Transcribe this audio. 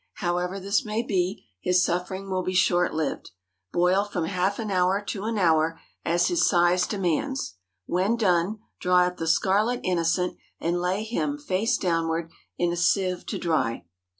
However this may be, his suffering will be short lived. Boil from half an hour to an hour, as his size demands. When done, draw out the scarlet innocent, and lay him, face downward, in a sieve to dry.